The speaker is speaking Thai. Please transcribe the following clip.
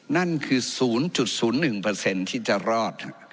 นั่นคือ๐๐๑ที่จะรอด